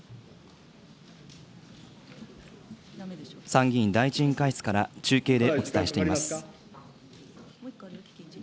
参議院第１委員会室から中継でお伝えしています。